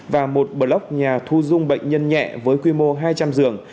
và một block nhà thu dung bệnh nhân nhẹ với quy mô hai trăm linh giường